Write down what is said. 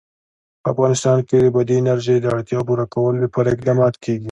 په افغانستان کې د بادي انرژي د اړتیاوو پوره کولو لپاره اقدامات کېږي.